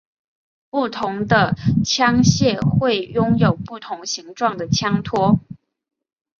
不同的枪械会拥有不同形状的枪托。